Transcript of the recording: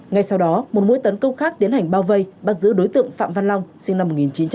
ngay sau đó một mũi tấn công khác tiến hành bao vây bắt giữ đối tượng phạm văn long sinh năm một nghìn chín trăm tám mươi